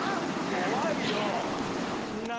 怖いよ。